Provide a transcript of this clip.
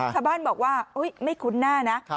ชาวบ้านบอกว่าไม่คุ้นหน้านะ